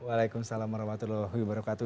waalaikumsalam warahmatullahi wabarakatuh